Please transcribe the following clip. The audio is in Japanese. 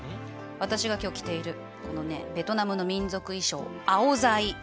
私が今日着ているこのねベトナムの民族衣装アオザイ。